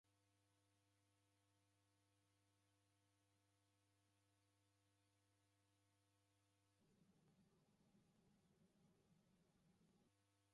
Poilwa ni kila ngelo ya maisha.